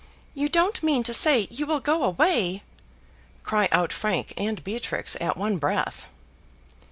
You don't mean to say you will go away?" cry out Frank and Beatrix at one breath.